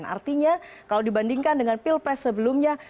artinya kalau dibandingkan dengan pilpres sebelumnya